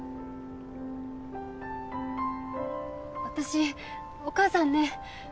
私お母さんね